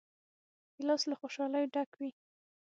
ګیلاس له خوشحالۍ ډک وي.